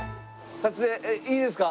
撮影いいですか？